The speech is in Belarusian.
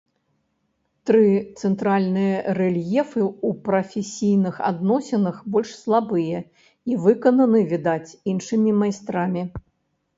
Тры цэнтральныя рэльефы ў прафесійных адносінах больш слабыя і выкананы, відаць, іншымі майстрамі.